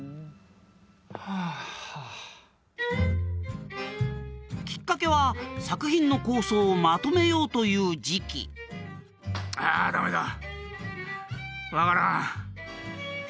はぁきっかけは作品の構想をまとめようという時期あダメだ分からん